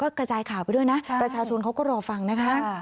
กระจายข่าวไปด้วยนะประชาชนเขาก็รอฟังนะคะ